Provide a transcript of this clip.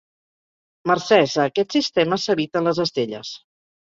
Mercès a aquest sistema s'eviten les estelles.